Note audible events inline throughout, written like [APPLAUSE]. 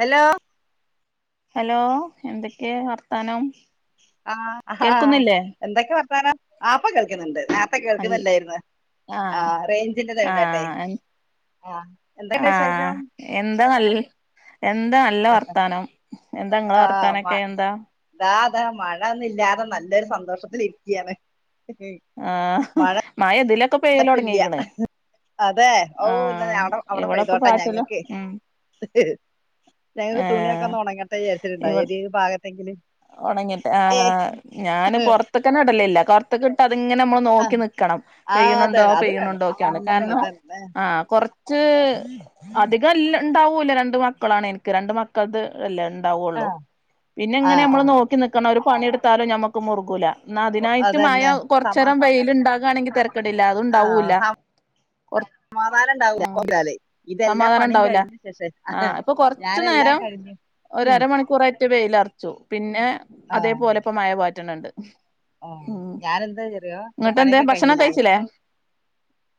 Hello hello എന്തൊക്കെ വർത്താനം ആ ആ കേൾക്കുന്നില്ലേ എന്തൊക്കെ വർത്താനം ആപ്പ കളിക്കുന്നുണ്ട് നല്ല കേൾക്കുന്നല്ലായിരുന്നു ആ ആഹ് റേഞ്ചിന്റെ തഴനാട്ടെ ആഹ എന്താ ന ൽ എന്താ നല്ല വർത്താനം എന്താ ഇങ്ങളെ ആഹ് മ വർത്താനൊക്കെ എന്താ ഇതാ അതാ മഴൊന്നും ഇല്ലാതെ നല്ലൊരു സന്തോഷത്തിരിക്കയാണ് ആഹ് മഴ ഇതിലൊക്കെ പെയ്യല് ഇപ്പ ഇല്ല തൊടങ്ങീക്ക്ണ് അതെ ഔ ന്നാ അവടെ അവട ഇവിടെപ്പൊ പൈതോട്ടാ പാറ്റല് ഞങ്ങൾക്ക് ഉം ഹ് ദയവ് തുണിയൊക്ക ഏഹ് ന്നൊ ണങ്ങട്ടെ വിചാരിച്ട്ട്ണ്ടാ ഇവ ഏതെങ്കിലും ഭാഗത്തെങ്ക്ല് ഞാന് പോർത്ക്കന്ന ഇടലില്ല പോർത്തിക്കിട്ട അതിങ്ങനെ നമ്മള് നോക്കി ആഹ് നിക്കണം ആഹ് അതെ പെയ്യ്ണ്ണ്ടോ അത് വേണം പെയ്യ്ണ്ണ്ടോക്കെയാണ് ഉം കാരണം അതന്നെ ആ കൊറ ഇച്ച് അധികംല്ല ഉണ്ടാവൂല രണ്ട് മക്കളാണ് എനിക്ക് രണ്ട് മക് തത് എല്ലാം ഉണ്ടാവയുള്ളൂ ആഹ് ഇങ്ങനെ ആഹ് നമ്മള് ആഹ് നോക്കി നിക്കണം ഒരു പണിയെടുത്താലും ഞമ്മക്ക് മുറുകൂല ന്ന അതിനായിട്ട് മഴ അതന്നെ സമ കൊറചേരം വെയിൽണ്ടാകാണെങ്കിൽ തരക്കടില്ല ആഹ് അത്ണ്ടാവൂല്ല സമ കൊറ് സമാധാനം ഉണ്ടാവ ഇതെല്ലാം പണിയും ഉണ്ടാവൂല കഴിഞ്ഞ ശേഷേ ഞാനെല്ലാം കഴിഞ്ഞു ഉം ഒരമണിക്കൂറായിറ്റ വെയില അറച്ചു പിന്നെ അതേപോലെ ഇപ്പോ മഴപാറ്റണുണ്ട് ആ ഞാനെന്താ ചെറിയോ ഇനി എന്തേ പണിയൊക്കെ ഭക്ഷണം കഴിഞ്ഞില്ലേ കഴിച്ചില്ലേ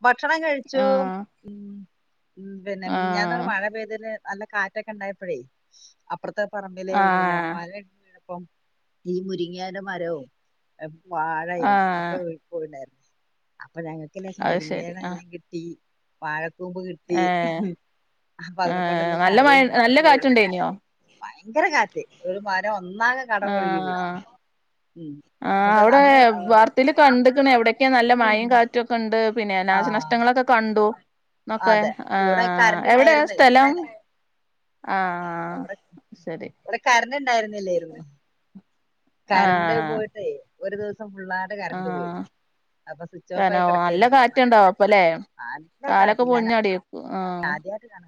ഭക്ഷണം കഴിച്ചു ആ ഉ പിന്നെ ആ മിഞ്ഞാന്നൊരു മഴ പെയ്തതിന് നല്ല കാറ്റൊക്കെ ഉണ്ടായപ്പഴേ അപ്പറത്തെ പറമ്പിലേ ആ പിന്നെ മഴയൊക്കെ ഉണ്ടയപ്പം ഈ മുരിങേന്റെ മരവും വാഴ ആ ഒക്കെ പോയിണ്ടായിരുന്നു അപ്പൊ ഞങ്ങൾക്ക് ലേശം അത് ശരി ആ മുരിങ്ങയണല്ലെങ്കിൽ [UNINTELLIGIBLE] വാഴക്കൂമ്പ് കിട്ടി ഏ അപ്പൊ ഏ അതിനെ കൊണ്ട് ഇന്ന് നല്ല മഴ നല്ല കറിവെച്ചു കാറ്റുണ്ടേനിയോ ഭയങ്കര കാറ്റ് ഒരു മരം ഒന്നാകെ കടപൊഴുകി വീണ് ഉം ആഹ് പക്ഷെ അവിടെ അന്ന് വാർതീല് കണ്ട്ക്ക്ണ് എവിടൊക്കെ നല്ല മഴി കാ റ്റൊക്കെ ഉണ്ട് പിന്നെ ആഹ് നാശനഷ്ടങ്ങളൊക്കെ കണ്ടു ന്നൊക്കെ അതെ ആ ഇവിടെ കറണ്ട് എവിടെയാ ഇല്ലായിരുന്നേ സ്ഥലം ഇന്നലെ ആഹ് ആ ഇവിടെ ശരി ഇവിടെ കാരണ്ട് ഉണ്ടായിരുന്നില്ലേയിന്ന് കരണ്ട് ആഹ് പോയിട്ടേ ഒരു ദിവസം ഫുള്ളാണ്ട് കറണ്ട് പോയി ആഹ് അപ്പൊ സ്വിച്ച് ഓഫ് ആയി നല്ല കിടക്കായിരുന്നു ഫോണൊക്കെ കാറ്റുണ്ടാവോ അപ്പലെ കാലൊക്കെ പൊഴിഞ്ഞാടിയോ? ആദ്യയിട്ട് കാണ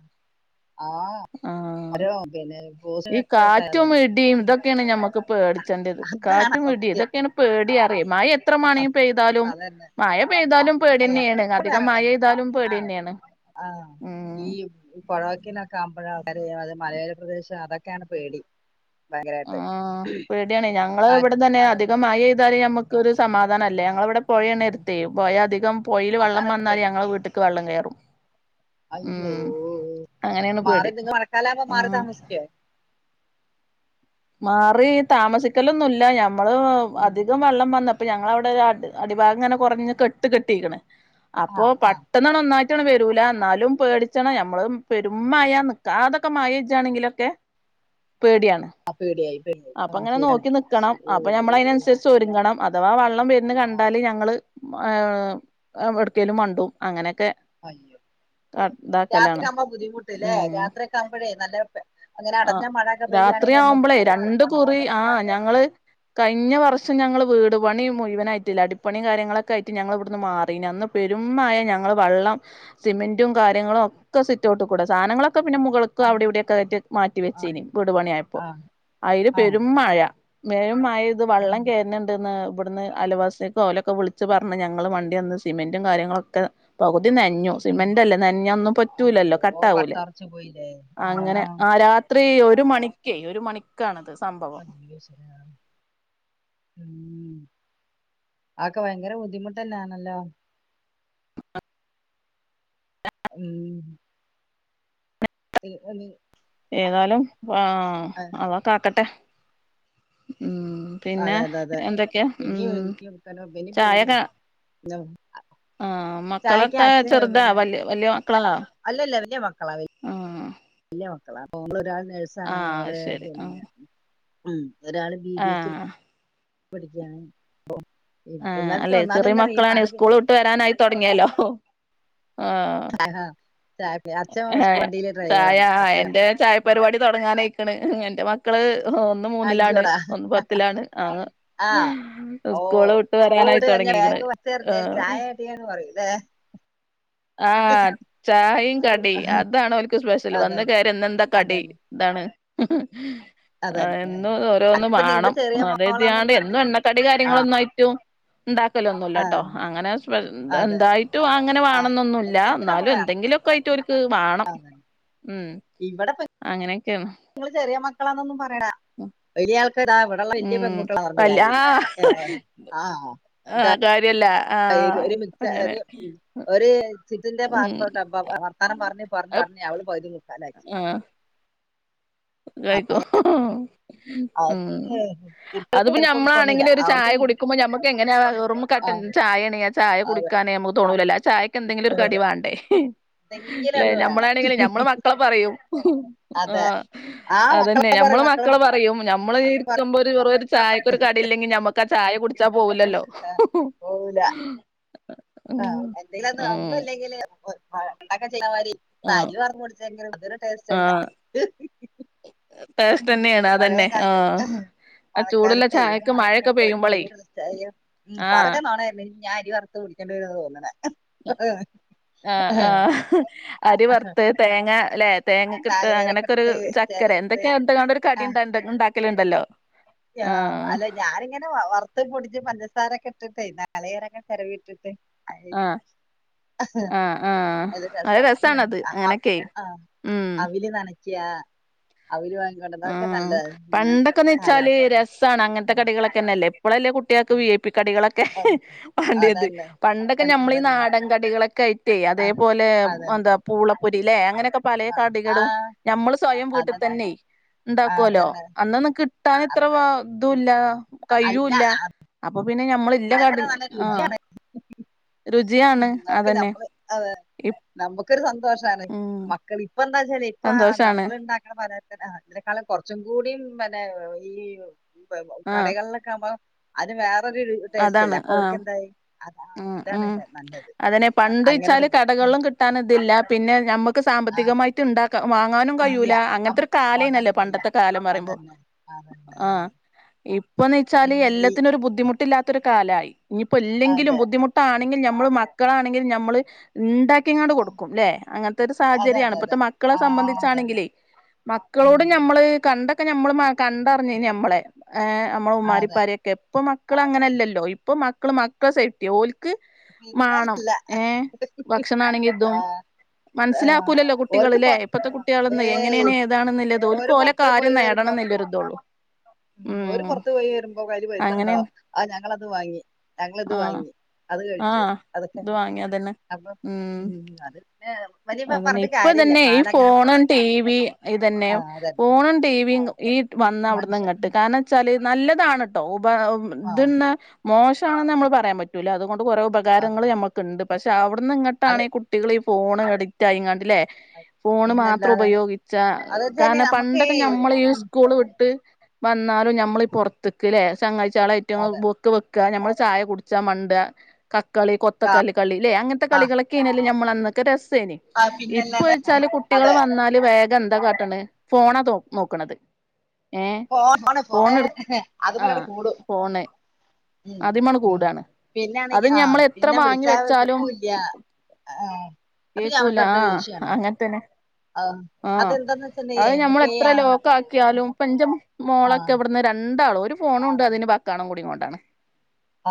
ആ ആഹ് ഓരോ രോഗിയാന്നല്ലപ്പോ ഈ കാറ്റും ഇടിം ഇതൊക്കെയാണ് ഞമ്മക്ക് പേടിച്ചേണ്ടത് അതാണ് കാറ്റും ഇടി സത്യം ഇതൊക്കെയാണ് പേടിയാറെ മയ യത്രമണയും പെയ്താലും അതന്നെ മയ പെയ്താലും പേടിന്നെയാണ് എപ്പോഴും അധികം മയ യ്താലും പേടിന്നെയാണ് ആ ഉം ഈ പുഴവക്കിനൊക്കെ ആവുമ്പഴ അവര അത് മലയോല പ്രദേശം അതൊക്കെയാണ് പേടി ആ ഭയങ്കരമായിട്ട് പേടിയാണ് ഞങ്ങള് ഇവിടെ കാറ്റും തന്നെ അധികം മഴ മയയ്താല് ഞമ്മക്ക് ഒരു സമാധാന അല്ലേ ഞങ്ങള ഇവിടെ പൊയണ്ണരുത്തെ പോയീൽ അധികം പുഴൽ വെള്ളം അതാണ് വന്നാല് പേടി ഞങ്ങളെ വീട്ടക്ക് വെള്ളം കയറും അയ്യോ ഉം അങ്ങനേണ് മാറി പേടി നിങ്ങൾ മഴക്കാലാകുമ്പോ മാറി ആഹ് താമസിക്കേ മാറി താമസിക്കലൊന്നുല്ല ഞമ്മള് അധികം വെള്ളം വന്നപ്പൊ പ്പൊ ഞങ്ങളവിടെ ഒരു അടിഭാഗം ഇങ്ങനെ കുറഞ്ഞ കെട്ട് കെട്ടിക്ക്ണ് ആ അപ്പോ ആ പെട്ടെന്ന് ഒന്നായി വരൂല എന്നാലും പേടിച്ചണ ആ, നമ്മളും പെരും മയ നിക്കാതൊക്കെ മയ ജാണെങ്കിലൊക്കെ പേടിയാണ് അ പേടിയായിപ്പ അപ്പൊ ആ ശരിണേ ഓ ഓ ഓ ചൊരുങ്ങണം അഥവാ വെള്ളംവര്ന്ന് ആ കണ്ടാല് ഞങ്ങള് എവ്ട്ക്കേലും മണ്ടും അങ്ങനെയൊക്കെ അയ്യോ രാത്രി ഇതാക്കലാണ് ആവുമ്പ ബുദ്ധിമുട്ട് ല്ലേ ഉം രാത്രിയൊക്കെ ആവുമ്പോഴേ നല്ല അങ്ങനെ ആ അടഞ്ഞ മഴൊക്കെപെയ്യാണെങ്കിൽ രാത്രിയാവുമ്പളേ നമ്മള്ബുദ്ധി മുട്ടും രണ്ട് കുറി ആ ഞങ്ങള് കഴിഞ്ഞ വർഷം ഞങ്ങൾ വീട് പണി മുഴുവനായിട്ടില്ല അടിപ്പണിയും കാര്യങ്ങളൊക്കെ ആയിട്ട് ഞങ്ങൾ ഇവിടുന്ന് മാറിനിം അന്ന് പെരുംമഴ ഞങ്ങൾ വെള്ളം സിമെന്റും കാര്യങ്ങളും ഒക്കെ സിറ്റോട്ട്കൂടെ സാധനങ്ങളൊക്കെ പിന്നെ മുകള് അവിടെ അയ്യോ. ഇവിടെയൊക്കെ മാറ്റി ആ വെച്ചീനി വീടുപണിയായപ്പോ ആ അതില് ആ പെരും മഴ മേ ആ, മഴപെയ്തുവെള്ളം കയറണ്ട്ന്ന്. ഇവിടുന്ന് അലവാസക്ക്ലൊക്കെ വിളിച്ച് പറഞ്ഞ് ഞങ്ങൾ വണ്ടിവന്ന് സിമെന്റും കാര്യങ്ങളൊക്കെ പകുതി നൻഞ്ഞു ഉം. സിമെന്റ്ല്ലേ നൻഞ്ഞ ഒന്നും പറ്റൂലല്ലോ അയ്യോ കട്ട ആവൂലേ കട്ടറച്ചു പോയില്ലേ ആ അങ്ങനെ ആ രാത്രി ഒരു മണിക്കെ ഒരു മണിക്കാണത് സംഭവം. ആഹ് ശരി ആക്കെ ഭയങ്കര ബുദ്ധിമുട്ടാണല്ലോ. [INAUDIBLE] [INAUDIBLE] ഏതായാലും ആ അള്ളകാകട്ടെ ഉ. പിന്നെ അതെ അതെ അതെ എന്തൊക്കെ ഇനി ചായൊക്കെ ത ഉം ആഹ് മക്കളൊക്കെ ചെറുതാ വലിയ വലിയ മക്കളാ. അല്ലല്ല വല്യമക്കളാ. ആ വലിയമക്കളാ അപ്പൊരാൾ ആ നേഴ്സാണ് ഓള് ശരി ആ പിന്നെ ഉം ഒരാള് ബി ആ ബി എക്ക് പഠിക്കാണ്. ഇ ഇന്നാക്കെ ഒന്നാതിന്നാറീ മഴ. ഇട്ട് വരാനായി തുടങ്ങിയാലോ ആഹ. ഹ അച്ഛ സ്കൂൾ വണ്ടീലെ ചായ ഡ്രൈവറാണ് അപ്പൊ അച്ഛൻ എന്റെ ചായ പരിപാടി തുടങ്ങാനായിക്കണ് എന്റെ മക്കള് ഒന്ന് മൂന്നിലാണ് ഒന്ന് പത്തിലാണ് ആ. ആഹ് ഓ സ്കൂൾ വിട്ട് ബേക് തൊടങ്ങീക്ക്ണ് വേഗ വലിച്ചറിഞ് ആഹ് ചായകാട്ടി പറൂല്ലേ? ആഹ ചായയും കടി അതാണ് ഓൽക്ക് സ്പെഷ്യൽ വന്ന് അതന്നെ കയറിയഇന്നന്താ കടി അതന്നെ എന്താണ് ഹ്ഹ്. ആ അതന്നെ എന്നും ഓരോന്ന് അതിപ്പോ നിങ്ങൾ വാണം ചെറിയ അതാണ് കരുതിങ്ങാൽ മോളാന്നൊന്നും എന്നും പറഞ്ഞിട്ട് എണ്ണക്കടി കാര്യങ്ങളൊന്നുംയായിട്ട്. ഉണ്ടാക്കല് ആ ഒന്നുല്ലട്ടോ അങ്ങനെ സ്പെ അതെ എന്തായിട്ടും അങ്ങനെ വാ ആ ന്നുല്ല എന്തെങ്കിലും ഒന്ന് ന്നാലു വേണം എന്തെങ്കിലുക്കെ അത്ര ആയിട്ട് ഓർക്ക് വാണം ഉ. അങ്ങനെയൊക്കെയാണ്. നിങ്ങള് ചെറിയ മക്കളാന്നൊന്നും പറയടാ വലിയ ആൾ ഇവി വലിയ ഉം പെൺകുട്ടികൾ അവരു വല്യ ആ കാര്യല്ല ആ. ആ ത കാര്യല്ല ആ മ ഒരു അങ്ങനെ രു ഒരു ചിതിന്റെ ഉം ഭാഗത്തോട്ട വർത്താനം പറഞ്ഞഞ് പറഞ്ഞഞ് പറഞ്ഞഞ് അവള് പോയത്. ആഹ ആയിക്കോ ഹ്ഹ്. ഉം കുട്ടികൾക്ക് അതിപ്പോ ഇപ്പൊന്നുമില്ല നഞമ്മളാണെങ്കിലും ഒരു അവർക്ക് ചായ കുടിക്കുമ്പോമ്മക്ക് എങ്ങനെയ വെറും കട്ട ആ ചായയാണ് ചായ അതെ കുടിക്കാനേ നമുക്ക് തോന്നൂല ചായ ക എന്തെങ്കിലും ഒരു അതെ കടിവാണ്ടേ എന്തെങ്കിലും അല്ലെ ഒന്ന് വേണം നമ്മളാണെങ്കിഞമ്മള് മക്കളെ പറയും. ആ അതെ ആഹ് അതന്നെ മക്കളെ ഞമ്മള് പറയും മക്കളെ. പറയും നമ്മള് ഇരിക്കുമ്പോ ഒരു ചായ ഒരു ചായക്കൊരു കടയില്ലെങ്കിൽ നമുക്ക് ആ ചായ കുടി ച്ചാ പോവലല്ലോ. പറയും ആഹ എന്തെങ്കിലും ഒന്നു ഒന്നു ഇല്ലെങ്കില് ഉണ്ടൊക്കെ ചെയ്ത മാതിരി ആ പരി പറഞ്ഞു പിടിച്ച ഭന ഇതൊരു ടേസ്റ്റ്ല്ല [UNINTELLIGIBLE] ടേസ്റ്റ്തന്നെയാണ് അതന്നെ ആഹ. മഴക്കാലത്തെ പെയ്യുമ്പളേ മഴങേട്ട്ചൂട്യെടുത്ത് ആഹ് പറിയക്കെ നൊണ ഞാൻ അരിവർ കുടിക്കണ്ടി തോന്നണെ ആ ആഹ അരി വർത്ത് തേങ്ങല്ലെ തേങ്ങ കിട്ട് നാളികേരൊക്കെ അങ്ങനൊക്കെ ഒരു ഇട്ട് ചക്കര ചെരകിട്ട് എന്തൊക്കെയാ എന്തക്കണ്ട ഒരു കടിണ്ടാകി ആഹ് അല്ല ഞാനിങ്ങനെ വർ കുടി പഞ്ചസാരൊക്കെ ഇട്ടിട്ടേ നാളികേരൊക്കെ ചിരവിയിട്ടിട്ട് അ ആഹ് ആഹ് ആഹ് അ അത് രസം രസാണത് അങ്ങനൊക്കെ ആ ഉം അവലി നനച്ച അവര് വാങ്ങികൊണ്ട അതൊക്കെ നല്ലത ഈ വച്ചാല് കാലാവസ്ഥയിൽ കഴിക്കാൻ രസാണ് അങ്ങനത്തെ ഉം കടികളക്കെന്നെയല്ല ഇപ്പോഴല്ലേ കുട്ടികൾക്ക് ഉം വി ഐ പി കടികളൊക്കെ അതെ വേണ്ടിയത് അതന്നെ പണ്ടൊക്കെ എൻ- ഞമ്മളീ അതന്നെ നാടൻ കടികളൊക്കെ ലേ ആഹ് അതേപോലെ അതന്നെ എന്താ പൂളപ്പൊരി ല്ലെ അങ്ങനെയൊക്കെ പലേ ആഹ് കടികളും ആഹ് നഞമ്മള് സ്വയം വീട്ടിൽ അതന്നെ തന്നെ ആഹ് ണ്ടാക്കുല്ലോ അതന്നെ അന്നൊന്നും കിട്ടാനിത്ര അതൊ ഇതൂല്ല അല്ല കയൂല്ല ഇതിനത്ര നല്ല രുചിയാണ് രുചിയാണ് ഉം നമുക്ക് അതന്നെ നമ്മള് അതെ നമക്കൊരു സന്തോഷമാണ് ഉം മക്കള് ഇപ്പ എന്താച്ചാല് ഇപ്പ സന്തോഷാണ് നമ്മള്ണ്ടാ അതിനേക്കാളും കുറച്ചും കൂടിം [UNINTELLIGIBLE] പിന്നെ ഈ [UNINTELLIGIBLE] ആഹ് കടകളിലൊക്കെ ആവുമ്പോ അതിന് വേറൊരു ടേസ്റ്റല്ലേ അതാണ് അപ്പൊ ആഹ് ഓർക്കെന്തായി ആഹ് ഉം ഇതാണ് ഉം നല്ലത് അങ്ങനട് പോയി ട്ടാന് ഇതില്ല പിന്നെ നമ്മക്ക് സാമ്പത്തികമായിട്ട്ണ്ടാക്ക വാങ്ങാനും ഇല്ല കഴൂല അങ്ങൻത്തൊരു നമുക്ക് കാലൈന്നല്ലോ വാങ്ങാനും കഴിയില്ല പണ്ടത്തെ കാലം പറയുമ്പോ അതന്നെ അതന്നെ ആഹ് ഇപ്പ് പ്പൊന്നെച്ചാല് പിന്നെ ഈ എല്ലാത്തിനും ഒരു ബുദ്ധിമുട്ടില്ലാത്തൊരു കാലയി ഇനിയിപ്പൊ ഇല്ലെങ്കിലും അതെ മുട്ടാണെങ്കിൽ നമ്മള് മക്കളാണെങ്കി നമ്മള്ണ്ടാക്കി ക്കിങാട് കൊടുക്കും അല്ലെ അങ്ങനത്തെ ഒരു അതെ സാഹചര്യണ് അതെ ഇപ്പത്തെ അതെ മക്കളെ ആ അതന്നെ സംബന്ധിച്ചാണെങ്കിലേ മക്കളോട് ഉം ഞമ്മള് കണ്ട ഒക്കെ നമ്മള് മ കണ്ടറിഞ്ഞ് ഞമ്മളെ ഏ നമ്മളെ അതെ ഉമ്മാരിപ്പരിയൊക്കെ പ്പൊ മക്ക മക്കള് അങ്ങനെല്ലല്ലോ ഇപ്പം മക്കള് മക്കള് സേഫ്റ്റി ഓൽ ക് പിന്നെ മാണം ഏഹ് ആ ഭക്ഷണാണെങ്കിതും ആ, മനസ്സിലാക്കൂലല്ലോ കുട്ടികള് ഓർക്ക് പുറ- ഇപ്പഴത്തെ കുട്ടികള്ന്ന് ഏയ് എങ്ങനെയാണ് ഏതാണെന്നല്ലത് ഓര് ഒരുല പൊറത്ത് പോയി കാര്യം നേടണം വരുമ്പം എന്നുല്ലൊരുതോള്ളൂ ഉം ഓര് പൊർത്ത് പോയി വരുമ്പോ കയ്യില് പൈസണ്ടോ അങ്ങനെയാണ് ആ ഞങ്ങളത് വാങ്ങി ഞങ്ങള്ത് ആഹ് വാങ്ങി അത് കഴിച്ചു ആഹ് അതെനെ ഇത് വാങ്ങിയതന്നെ അപ്പൊ ഉം അതന്നെ അതന്നെ ഇപ്പൊതന്നെ ഈ ഫോണും ടി വി ഇതന്നെ ആ അതന്നെ ഫോണും ടിവി ഈ വന്ന മനുഷ്യ അവിട്ന്നിങ്ങട്ട് ഉം കാരണംച്ചാല് നല്ലതാണ്ട്ടോ ഉപ ആ ഇതിന്ന മോശാണ്ന്ന് നമ്മള് പറയാൻ പറ്റൂല്ല അതുകൊണ്ട് കൊറേ അതെ ഉപകാരങ്ങള് നമ്മൾക്കുണ്ട് പക്ഷേ അവിടുന്നി അത് ങ്ങട്ടാണ് ഈ കു കുട്ടികള് ഈഫോണ് അഡിക്റ്റാ യിങ്ങാണ്ടില്ലേ ഫോണ് മാത്രം പിന്നല്ലാതെ ഉപയോഗിച്ച അത് വെച്ചാല് കാരണം നമുക്ക് പണ്ടൊക്കെ ഞമ്മള് ഉം സ്കൂള് വിട്ട് വന്നാലും നമ്മളീ പുറത്തക്ക്ല്ലേ ചെങ്ങായ്ച്യാളേറ്റ് അതെ [UNINTELLIGIBLE] നമ്മള് ചായ കുട്ച്ചാ മണ്ടാ കക്കളി കൊത്തക്കല്ല്കളി അല്ലെ അങ്ങൻത്തെ കളികളൊക്കെ ക്കെയ്നല്ലൊ നമ്മൾന്നൊക്കെ രസൈനി ആ പിന്നല്ലാതെ ഇപ്പ്യ്ച്ചാല് കുട്ടികള് വന്നാല് വേഗം എന്താ കാട്ടണ് ഫോണാ നോക്ക്ണത് ഫോണ് [UNINTELLIGIBLE] ആ അത്‌മ്മലങ്ങട് കൂടും ഫോണ് ഉം. അതിമണ് കൂടാണ് അത് പിന്നാണെങ്കി ആഹ് ഞമ്മള് എത്ര പിന്നെ വാങ്ങി വെച്ചാലും വിളിച്ചാകിട്ടൂല്ല്യ ആഹ് അപ്പൊ ഞ്ഞി അടുത്തത് കേക്കൂല അവർക്കറുത ദേഷിയാണ് ആഹ് അത് ഞമ്മള് നമുക്ക് ഈ എത്ര ആ ലോക്കാക്കിയാലും പ്പന്റെ മോ ആ മോളൊക്കെ ഇവിടന്ന് രണ്ടാളും ഒരു ഫോണൂണ്ട് അതിന് വക്കാണം കൂടികാണ്ടാണ്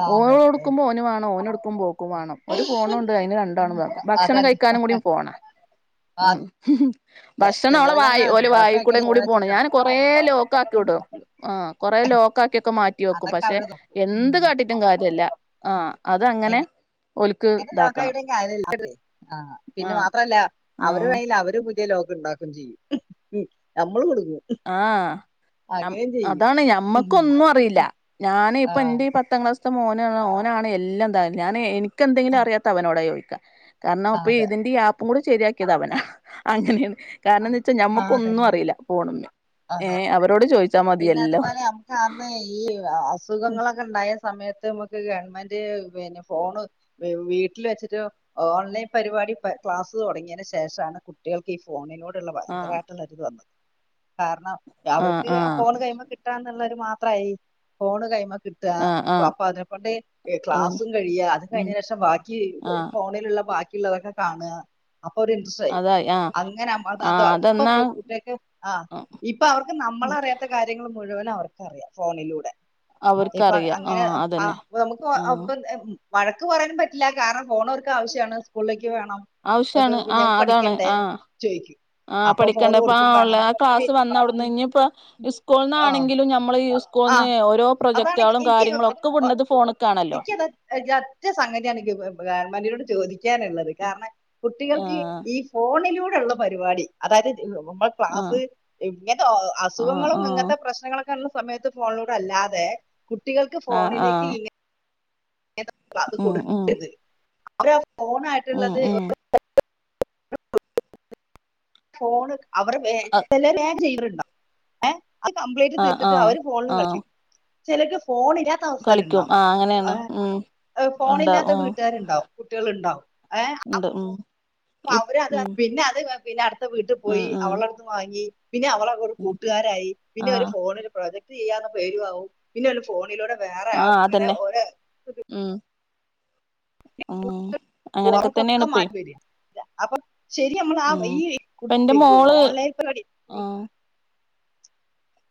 ആ അതെ ഓള്ട്ടുക്കുമ്പോ ഓന് വാണം ഓന്ട്ക്കുമ്പോ ഒക്കും വാണം ഒരു ഫോണൂണ്ട് അതിന് രണ്ടാണ് ഭക്ഷണം അതന്നെ കഴിക്കാനും കൂടിം ഫോണാ ആ ഉം. ഭക്ഷണം ഓളെ ചിലർക്ക് വായി അങ്ങനെ ഓലെ ഭക്ഷണം വെക്കണ വായിക്കൂടേയും കൂടി പോണം വെച്ചിട്ടാണ് ഞാൻ കൊറെേ ലോക്കാക്കിടും ആഹ് കൊറേ ലോക്കാ ക്കിയൊക്കെ മാറ്റി വെക്കും അതൊക്കെ പക്ഷേ അവര് നോക്കും എന്ത് കാട്ടീട്ടും കാര്യല്ല ആഹ് അതങ്ങ ങ്ങനെ എങ്ങനേ ലോക്കായിട്ടും കാര്യല്ല [UNINTELLIGIBLE] ആഹ് പിന്നെ ആഹ് മാത്രല്ല അവര് ആഹ് കയില് അവര് പുതിയ ലോക് ണ്ടാക്ക ക്കും ചെയ്യും നമ്മള് കുടുങ്ങും ആഹ് അം അതാണ് ഉം ഞമ്മക്കൊന്നും അറിയില്ല ഞാന് ആ ഇപ്പ ഇന്റെ പത് ത്താം ക്ലാസ്ത്ത മോനാ ഓനാണ് എല്ലാം താ ഞാന് എനിക്കെന്തെങ്കിലും അറിയാത്ത അവനോട് ചോദിക്കാ കാരണം പ്പൊ അതെ ഇതിന്റെ ഈ ആപ്പും കൂടെ ശരിയാക്കിയത് അവനാ അങ്ങനെണ്‌ കാരണംന്താച്ചാ ആ ഞമ്മക്കൊന്നും അതന്നെ അറിയില്ല ഫോണ്‌മ്മേ ഏ അവരോട് ചോയിച്ചാ മതിയെല്ലാം. ആതെയ് ഈ അസുഖങ്ങളൊക്കെണ്ടായ സമയത്ത് നമുക്ക് ഗവൺമെന്റ് പിന്നെ ഫോണ് വീട്ടില് വെച്ചിട്ട് ഓൺലൈൻ പരിപാടി പ ക്ലാസ്സ് തുടങ്ങിയതിന് ശേഷാണ് കുട്ട്യാൾക്ക് ഈ ഫോണിനോടുള്ള ആഹ് ഭയങ്കരമായിട്ടുള്ള ഒരുത് വന്നു കാരണം ആഹ് അവർക്ക് ആ ആഹ് ഫോണ് കയ്യുയുമ്മ കിട്ടാന്ന്ള്ളൊരു മാത്രമായി ഫോണ് കയ്മ്മ കി താ ആഹ് ആഹ് അപ്പൊ അതിനെക്കൊണ്ട് ഏഹ് അതന്നെ ക്ലാസ്സും കഴിയാ അത് ഉം കഴിഞ്ഞെന്റെഷം ബാക്കി ആഹ് ഫോണിലുള്ള ബാക്കിയുള്ളതൊക്കെ കാണ അപ്പൊ ഓര് ഇൻസ്ട്രറ്റ് ആയി അതായി ആഹ് അങ്ങനെ അമ്മക്കത് ആഹ് ഇപ്പൊ അതെന്നാ ഇപ്പൊ കുട്ട്യാക്ക് ആ ഇപ്പ അവർക്ക് നമ്മളറിയാത്ത കാര്യങ്ങള് മുഴുവനും അവർക്കറിയാം ഫോണിലൂടെ ഇപ്പൊ അ അവർക്കറിയാം അങ്ങനെ ആഹ് ആ അതന്നെ വെ നമുക്ക് ആഹ് ആപ്പ് എ വഴക്ക് പറയാനും പറ്റില്ല കാരണം ഫോണോര് ക്കാവശ്യാണ് സ്കൂളിലേക്ക് വേണം ക്കെ ആവശ്യാണ് പിന്നെ ആഹ് ഞങ്ങക്ക് അതാണ് പഠിക്കണ്ടേ ആഹ് ചോയിക്കും ആഹ് പഠിക്കണ്ടേ അപ്പാ ഓൺ ആ ക്ലാസ് വന്ന അവിടന്ന് ഇനിയിപ്പോ ആ സ്കൂള്ന്നാണെങ്കിലും നമ്മള് ഈ ഇൻക് ആ തോന്ന് ഓരോ അതാണ് പ്രോജക്ടാളും എനിക്ക് കാര്യങ്ങളൊക്കെ വിട്ണത് ഫോണക്കാണല്ലോ [UNINTELLIGIBLE] ഒറ്റ സംഗതിയാണ് ഗിവ് ആ ഗവൺമെന്റിനോട് ചോദിക്കാനുള്ളത് കാരണം കുട്ടികൾക്ക് ആഹ് ഈ ഫോണിലൂടെ ഉള്ള പരിപാടി അതായത് ഇമ്മ ആഹ് ക്ലാസ് ഇങ്ങനെ ആഹ് അസുഖങ്ങളൊന്നും ആഹ് ഇങ്ങനത്തെ പ്രശ്നങ്ങളൊക്കെ ഇള്ള സമയത്ത് ഫോണിലൂടെ അല്ലാതെ കുട്ടികൾക്ക് ആഹ് ഫോണിലേക്ക് ആഹ് ഇങ്ങനെ ഇങ്ങ അത് ഉം ഉം കൊടുക്കരുത് അവര് ഫോണ് ഉം ആയിട്ടുള്ളത് ഉം [UNINTELLIGIBLE] ഫോണ് അവർ [UNINTELLIGIBLE] അത് കംപ്ലീറ്റ് ആഹ് തീർത്തിട്ട് ആഹ് അവര് ഫോണിലും ആഹ് കളിചിരിക്കും ചിലക്ക് ഫോണില് കളിക്കും ആഹ് അങ്ങനേണ് ഉം എ ഫോണില്ലാത്ത ഉണ്ടാവും വീട്ടുകാരുണ്ടാവും കുട്ട്യാള്ണ്ടാവും ഏഹ് ഇണ്ട് ഉം അപ്പൊ ഇപ് അവര് അത് ഉം പിന്നെ അത് പിന്നെ അടുത്ത വീട്ടിൽ ഉം പോയി ഉം അവളടുത്ത്ന്ന് വാങ്ങി പിന്നെ അവളങ്ങോട്ട് ഉം കൂട്ടുകാരായി പിന്നെ ഒരു ആഹ് ഫോണില് പ്രൊജക്ട് ചെയ്യാന്ന പേരും ആവും പിന്നെ ഓല് ഫോണിലൂടെ വേറെ ആ ആഹ് ഇങ്ങനെ അതന്നെ ഓരോ ഉം ഉം അങ്ങനൊക്കെ തന്നെയാണ് ഇപ്പേ [UNINTELLIGIBLE] അപ്പൊ ശെരി നമ്മളാ ഉം ഈ കു ഇപ്പ എന്റെ മോള് ഓൺലൈൻ പരിപാടി ആഹ്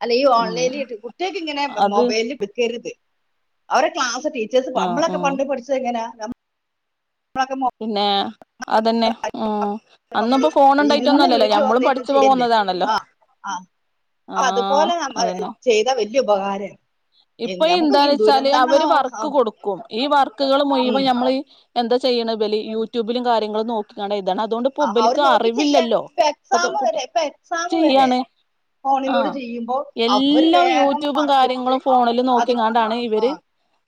അല്ല ഈ ഉം ഓൺലൈനിൽ കുട്ട്യാക്ക് ഇങ്ങനെ അത് മൊബൈല് എൽപ്പിക്കരുത് അവരുടെ ക്ലാസ് ടീ ചേഴ്സ് ഇപ്പൊ ആഹ് നമ്മളൊക്കെ ഉം പണ്ട് പഠിച്ചത് എങ്ങനാ ഞ [INAUDIBLE] പിന്നേ അതെന്നെ ഉം അന്നുംപ്പോ ഫോൺണ്ടായിട്ടൊന്നും ഇരുന്ന് അല്ലല്ലോ ഞമ്മളും പഠി ച്ചോന്നതാണല്ലോ ആഹ് അതുപോലെ നമ്മ അതന്നെ ചെയ്താ വല്ല്യ ഉപകാര ഇപ്പൊ ഈ എന്താ വെച്ചാല് അവര് ആ, വർക്ക് കൊടുക്കും ഈ വർക്കുകൾ ഉം മുയിവം നമ്മൾ എന്താ ചെയ്യ്ണ് ഇബല് യൂട്യൂബിലും കാര്യങ്ങളും നോക്കിക്കാണ്ടെയ്താണ് അതുകൊണ്ട് ഇപ്പൊ അവര് ഇബല്ക്ക് നോക്കി ചെയ്യാ അറിവില്ലല്ലോ ഇപ്പൊ ഇപ്പത്തെ എക്സാം വരെ കുട്ട്യാക്ക്‌ ഇപ്പൊ എക്സാം വരെ ചെയ്യാണ് ഫോണിലൂടെ ആഹ് ചെയ്യുമ്പോ അവര് എല്ലാം വേറെ യൂട്യൂബും കുറച്ച് കാര്യങ്ങളും ഫോൺ ഫോണില് അത് നോക്കിങ്ങാണ്ടാണ് ആ ഇവര്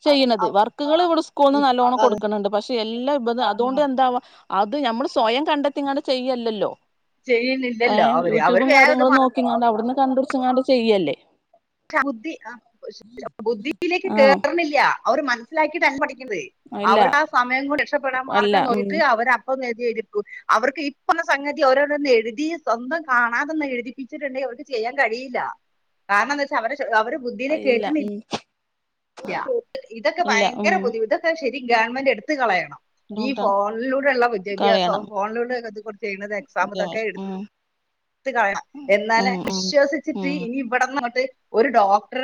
ചെയ്യണത് അവ- വർക്കുകള് ഇവടെ സ്കൂൾന്ന് ഇ- നല്ലോണ്ണം അത് കൊടുക്ണണ്ട് പക്ഷെ എല്ലാം ഇബ അതുകൊണ്ട് ഉം എന്ത ന്താവാ അത് ഞമ്മള് സ്വയം കണ്ടെത്തിങ്ങാണ്ട് ചെയ്യല്ലല്ലോ ചെയ്യുന്നില്ലല്ലോ ഏഹ് അവര് അവര് യൂട്യൂബും വേറെ ഇത് കാര്യങ്ങളും നോക്കിങ്ങോണ്ട് അവിടുന്ന് കണ്ടുടിച്ച്ങ്ങാണ്ട് ചെയ്യല്ലേ ബുദ്ധി ബുദ്ധിയിലേക്ക് ആഹ് കേർണില്ല്യ അവര് മനസ്സിലാക്കിട്ടല്ല പഠിക്കുന്നത് ഇല്ല അവർക്ക് ആ സമയം കൂടി രക്ഷപ്പെടാൻ അല്ല മാർഗം ഉം നോക്കിട്ട് അവര് അപ്പ അത്‌ എയ്തിട്ക്കും അവർക്ക് ഇപ്പള്ള സംഗതി ഓരോരോന്നും എഴുതി സ്വന്തം കാണാതൊന്ന് എഴുതിപ്പിച്ചിട്ട്ണ്ടെങ്കി അവർക്ക് ചെയ്യാൻ കഴിയില്ല കാരണംന്താച്ചാ അവര് അവര ബുദ്ധില് അത്‌ ഇല്ല ഉം കേറ്റ്ണില്ല്യ ഇതൊക്കെ ഇല്ല ഉം ഭയങ്കര ബുദ്ധിമുട്ട ശെരി ഗവൺമെന്റ് എടുത്ത് കളയണം ഈ ബുദ്ധിമുട്ടാണ് ഫോണിലൂടെള്ള വിദ്യാഭ്യാസവും കളയണം ഫോണിലൂടെക്ക ഇത് കൊടുത്ത് ചെയ്യണത് എക്സാം ഇതൊക്കെ എടു ഉം ത്ത് കളയണം എന്നാലെ ഉം ഉം വിശ്വസിച്ചിട്ട് ഉം ഇനി ഇവിടന്നങ്ങട്ട് ഒരു ഡോക്ടറെ